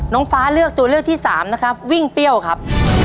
น้องฟ้าเลือกตัวเลือกที่สามนะครับวิ่งเปรี้ยวครับ